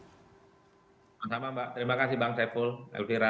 sama sama mbak terima kasih bang saiful elvira